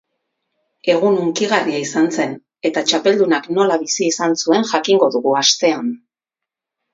Egun hunkigarria izan zen eta txapeldunak nola bizi izan zuen jakingo dugu asteon.